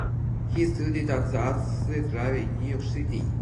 He studied at the Art Students League in New York City.